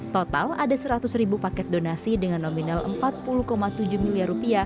total ada seratus ribu paket donasi dengan nominal rp empat puluh tujuh miliar